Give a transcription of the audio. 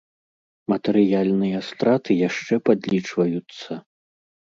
Матэрыяльныя страты яшчэ падлічваюцца.